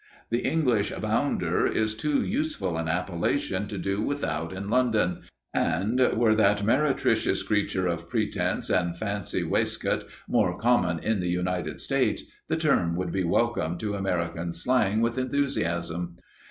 The English "bounder" is too useful an appellation to do without in London, and, were that meretricious creature of pretence and fancy waistcoat more common in the United States, the term would be welcomed to American slang with enthusiasm.